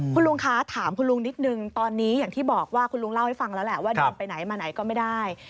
คุณลุงคะถามคุณลุงนิดนึงตอนนี้อย่างที่บอกว่าคุณลุงเล่าให้ฟังแล้วแหละว่าเดินไปไหนมาไหนก็ไม่ได้